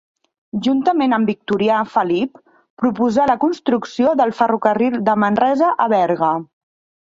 Juntament amb Victorià Felip, proposà la construcció del ferrocarril de Manresa a Berga.